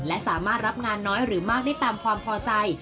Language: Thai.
และสามารถรับงานน้อยหรือมากได้ตามความพอใจ